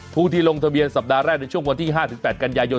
ผู้ที่ลงทะเบียนสัปดาห์แรกในช่วงวันที่๕๘กันยายน